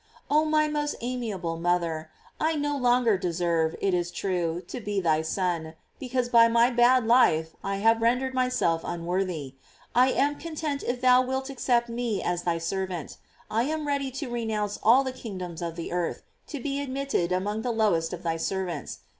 Oh, my most amiable mother! I no long ' er deserve, it is true, to be thy son, because by my bad life I have rendered myself unworthy. I am content if thou wilt accept me as thy ser vant. I am ready to renounce all the kingdoms of the earth, to be admitted among the lowest of thy servants.